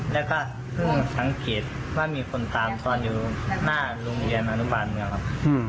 แล้วก็เพิ่งสังเกตว่ามีคนตามตอนอยู่หน้าโรงเรียนอนุบาลเมืองครับ